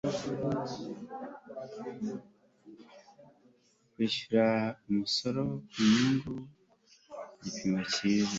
kwishyura umusoro ku nyungu ku gipimo cyiza